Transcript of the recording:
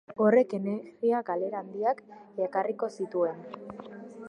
Horrek energia galera handiak ekarriko zituen.